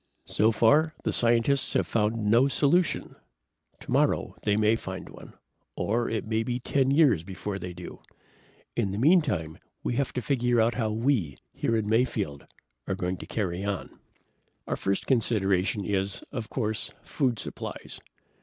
"So far, the scientists have found no solution. Tomorrow, they may find one. Or it may be 10 years before they do. In the meantime, we have to figure out how we, here in Mayfield, are going to carry on. "Our first consideration is, of course, food supplies.